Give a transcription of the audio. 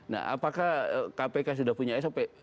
nah apakah kpk sudah punya sop